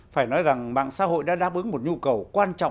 phải nói rằng mạng xã hội đã đáp ứng một nhu cầu quan trọng